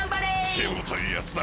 しぶといやつだ！